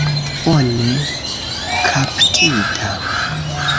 Bone kaptita.